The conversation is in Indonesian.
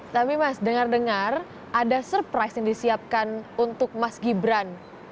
tapi mas dengar dengar ada surprise yang disiapkan untuk mas gibran